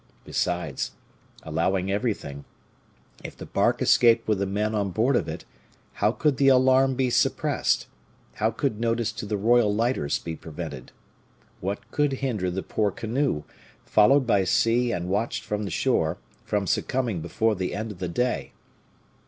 Besides, allowing everything, if the bark escaped with the men on board of it, how could the alarm be suppressed how could notice to the royal lighters be prevented? What could hinder the poor canoe, followed by sea and watched from the shore, from succumbing before the end of the day?